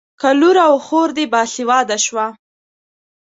که لور او خور دې باسواده شوه.